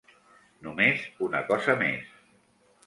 Només una cosa més.